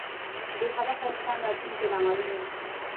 بی هدف انسان راتلونکي نامعلومه وي